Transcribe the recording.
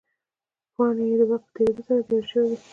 پاڼې یې د وخت په تېرېدو سره زیړې شوې وې.